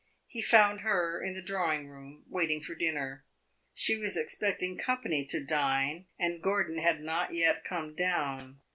He had found her in the drawing room, waiting for dinner. She was expecting company to dine, and Gordon had not yet come down.